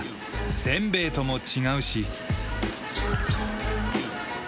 せんべいとも違うし。